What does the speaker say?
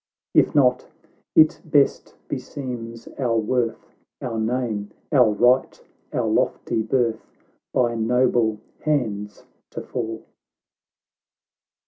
If not— it best beseems our worth, Our name, our right, our lofty birth, By noble hands to fall."